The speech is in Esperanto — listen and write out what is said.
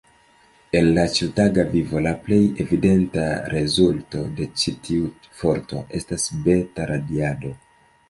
En la ĉiutaga vivo, la plej evidenta rezulto de tiu ĉi forto estas beta-radiado.